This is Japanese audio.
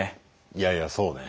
いやいやそうね。